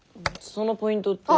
そのポイントって。